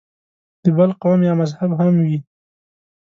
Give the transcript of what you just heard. د بل قوم یا مذهب هم وي.